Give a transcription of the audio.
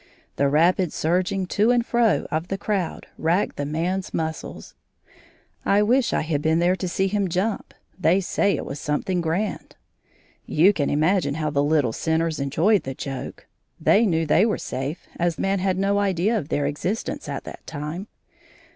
The rapid surging to and fro of the crowd racked the man's muscles. I wish I had been there to see him jump; they say it was something grand. You can imagine how the little sinners enjoyed the joke; they knew they were safe, as man had no idea of their existence at that time.